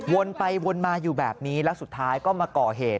วนไปวนมาอยู่แบบนี้แล้วสุดท้ายก็มาก่อเหตุ